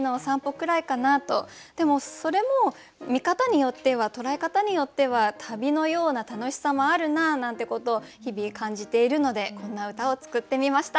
でもそれも見方によっては捉え方によっては旅のような楽しさもあるななんてことを日々感じているのでこんな歌を作ってみました。